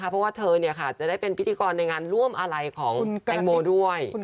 เพราะว่าเธอจะได้เป็นพิธีกรในงานร่วมอะไรของแตงโมด้วย